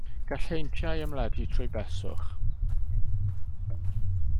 Gall heintiau ymledu drwy beswch.